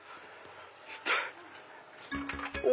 お！